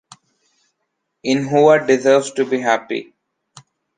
Ainhoa deserves to be happy.